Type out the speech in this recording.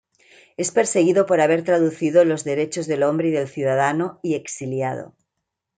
Es perseguido por haber traducido los Derechos del Hombre y del Ciudadano y exiliado.